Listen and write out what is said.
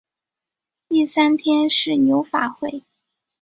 第三天是牛法会。